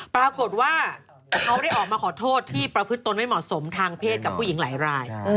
ปรากฏว่าเขาได้ออกมาขอโทษที่ประพฤติตนไม่เหมาะสมทางเพศกับผู้หญิงหลายราย